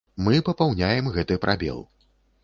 Мы папаўняем гэты прабел.